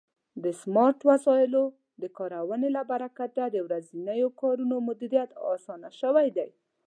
د سمارټ وسایلو د کارونې له برکت د ورځني کارونو مدیریت آسانه شوی دی.